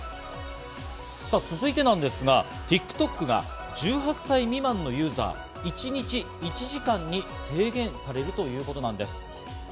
さぁ、続いてなんですがＴｉｋＴｏｋが１８歳未満のユーザー、一日１時間に制限されるということなんです。